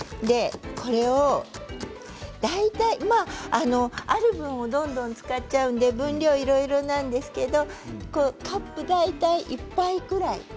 こちらを大体ある分をどんどん使っちゃうんで分量はいろいろなんですけれどカップ大体１杯ぐらい。